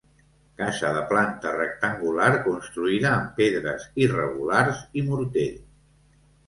Casa de planta rectangular construïda amb pedres irregulars i morter.